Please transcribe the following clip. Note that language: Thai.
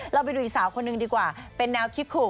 เราไปดูอีกสาวคนหนึ่งดีกว่าเป็นแนวคิดขู่